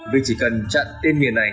vì chỉ cần chặn tên miền này